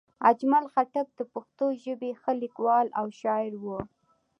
اجمل خټک د پښتو ژبې ښه لیکوال او شاعر وو